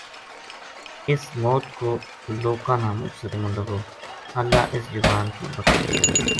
اس موت کو لوکاں نا مُچ صدمو لگو اللہ اس جوان کی بخشش کرے